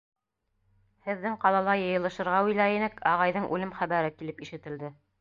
Һеҙҙең ҡалала йыйылышырға уйлай инек, ағайҙың үлем хәбәре килеп ишетелде.